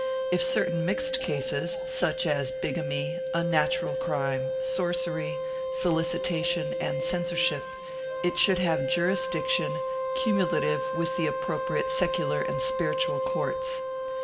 In certain mixed cases, such as bigamy, unnatural crime, sorcery, solicitation and censorship it should have jurisdiction cumula tive with the appropriate secular and spiritual courts.